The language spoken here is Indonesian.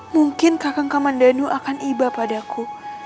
mungkin kakang kamandano akan iba padaku